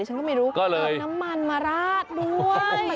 ชั้นก็ไม่รู้เพิ่งน้ำมันมาราดด้วย